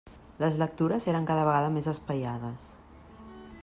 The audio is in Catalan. Les lectures eren cada vegada més espaiades.